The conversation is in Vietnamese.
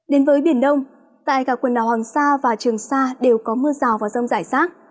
đến với biển đông tại cả quần đảo hoàng sa và trường sa đều có mưa rào và rông rải rác